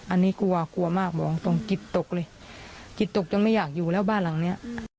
อันนี้กลัวมากต้องกิดตกเลยกิดตกจนไม่อยากอยู่แล้วบ้านหลังนี้